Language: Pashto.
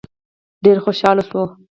ډېر خوشحاله شو.